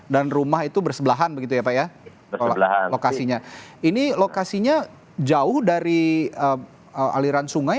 dan rumah itu bersebelahan begitu ya pak ya kalau lokasi nya ini lokasinya jauh dari aliran sungai